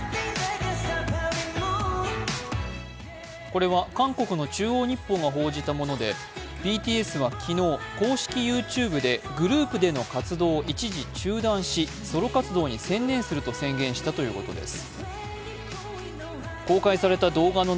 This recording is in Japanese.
これは韓国の「中央日報」が報じたもので、ＢＴＳは昨日、公式ＹｏｕＴｕｂｅでグループでの活動を一時中断しソロ活動に専念すると宣言したということです。